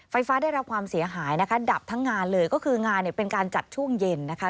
ไฟฟ้าได้รับความเสียหายนะคะดับทั้งงานเลยก็คืองานเนี่ยเป็นการจัดช่วงเย็นนะคะ